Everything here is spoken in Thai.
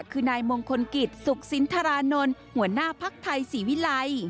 คือนายมงคลกิจสุขสินทรานนท์หัวหน้าภักดิ์ไทยศรีวิลัย